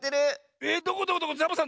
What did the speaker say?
えっどこどこどこ⁉サボさん